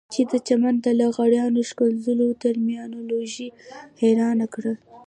چې د چمن د لغړیانو ښکنځلو ترمینالوژي حيرانه کړه.